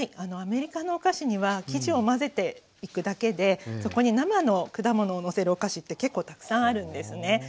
アメリカのお菓子には生地を混ぜていくだけでそこに生の果物をのせるお菓子って結構たくさんあるんですね。